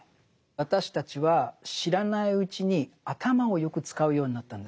私たちは知らないうちに頭をよく使うようになったんです。